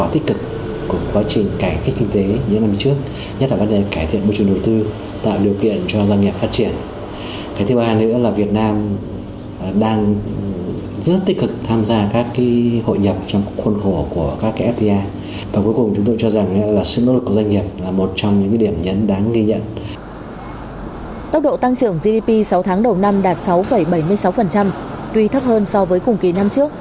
tốc độ tăng trưởng gdp sáu tháng đầu năm đạt sáu bảy mươi sáu tuy thấp hơn so với cùng kỳ năm trước